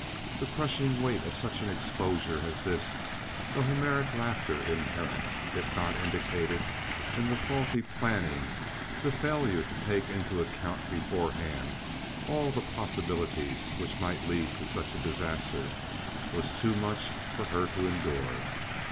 The crushing weight of such an exposure as this, the Homeric laughter inherent, if not indicated in the faulty planning, the failure to take into account beforehand all the possibilities which might lead to such a disaster, was too much for her to endure.